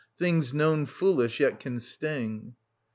Things known foolish yet can sting.